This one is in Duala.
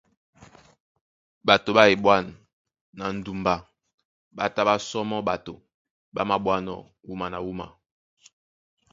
Ɓato ɓá eɓwân na ndumbá ɓá tá ɓá sɔmɔ́ ɓato ɓá maɓwánɔ̄ wúma na wúma.